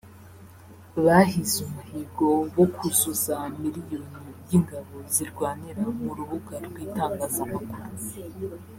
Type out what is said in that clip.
bahize umuhigo wo kuzuza miliyoni y’ingabo zirwanira mu rubuga rw’itangazamakuru